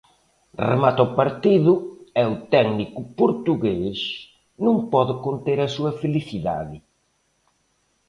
Remata o partido e o técnico portugués non pode conter a súa felicidade.